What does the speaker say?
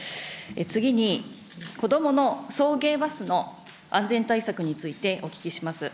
次に、子どもの送迎バスの安全対策についてお聞きします。